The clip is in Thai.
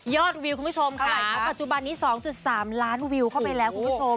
ยอดวิวทุกผู้ชมประจวบาทนี้๒๓ล้านวิวเข้าไปแล้ว